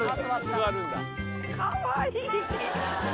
かわいい！